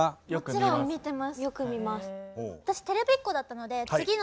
もちろん見てます。